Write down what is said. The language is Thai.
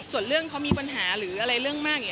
ส่วนเรื่องเขามีปัญหาหรืออะไรเรื่องมากอย่างนี้